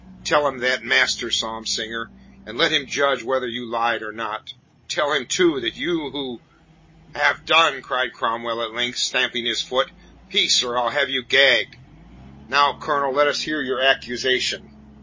Tell him that, master psalm singer, and let him judge whether you lied or not. Tell him, too, that you, who " "Have done!" cried Cromwell at length, stamping his foot. "Peace, or I'll have you gagged. Now, Colonel, let us hear your accusation."